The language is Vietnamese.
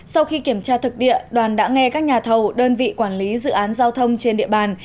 sau khi kiểm tra thực địa đoàn đã nghe các nhà thầu đơn vị quản lý dự án giao thông trên địa bàn